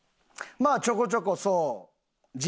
まあちょこちょこそう。